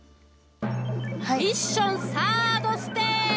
ミッションサードステージ。